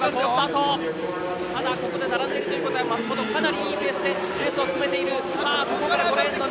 ただここで並んでいるということは松元、かなりいいペースでレースを進めている。